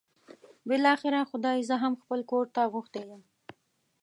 بالاخره خدای زه هم خپل کور ته غوښتی یم.